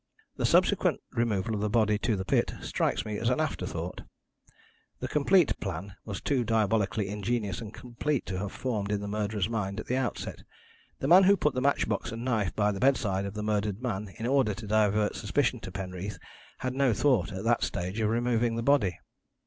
"The subsequent removal of the body to the pit strikes me as an afterthought. The complete plan was too diabolically ingenious and complete to have formed in the murderer's mind at the outset. The man who put the match box and knife by the bedside of the murdered man in order to divert suspicion to Penreath had no thought, at that stage, of removing the body.